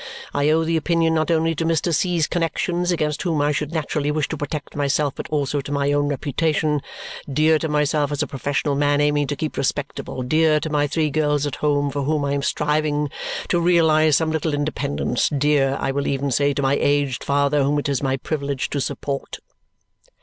I owe the opinion not only to Mr. C.'s connexions, against whom I should naturally wish to protect myself, but also to my own reputation dear to myself as a professional man aiming to keep respectable; dear to my three girls at home, for whom I am striving to realize some little independence; dear, I will even say, to my aged father, whom it is my privilege to support."